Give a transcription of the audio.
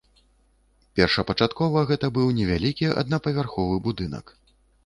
Першапачаткова гэта быў невялікі аднапавярховы будынак.